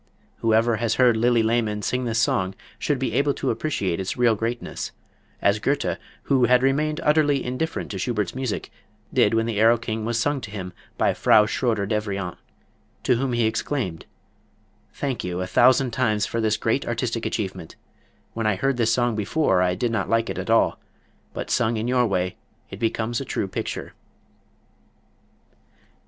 Whoever has heard Lilli Lehmann sing this song should be able to appreciate its real greatness, as Goethe, who had remained utterly indifferent to Schubert's music, did when the "Erlking" was sung to him by Frau Schroeder Devrient, to whom he exclaimed: "Thank you a thousand times for this great artistic achievement. When I heard this song before I did not like it at all, but sung in your way it becomes a true picture."